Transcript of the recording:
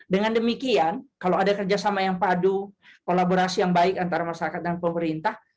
dengan demikian kalau ada kerjasama yang padu kolaborasi yang baik antara masyarakat dan pemerintah